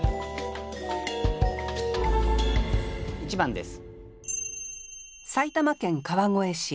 １番です。